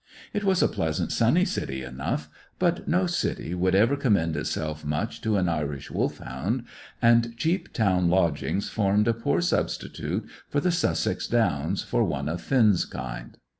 It was a pleasant, sunny city enough, but no city would ever commend itself much to an Irish Wolfhound, and cheap town lodgings formed a poor substitute for the Sussex Downs for one of Finn's kind.